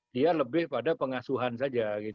dia lebih pada pengasuhan saja